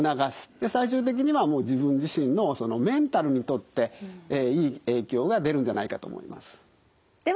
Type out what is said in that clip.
で最終的には自分自身のそのメンタルにとっていい影響が出るんじゃないかと思います。